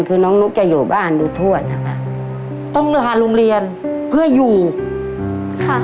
คือน้องนุ๊กจะอยู่บ้านดูทวดนะคะต้องลาโรงเรียนเพื่ออยู่ค่ะ